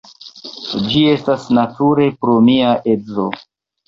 Ĝi estas nature pro mia edzo.